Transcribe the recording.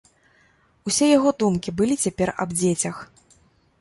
Усе яго думкі былі цяпер аб дзецях.